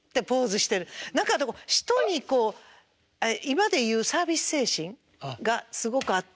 何か人にこう今で言うサービス精神がすごくあったなあ。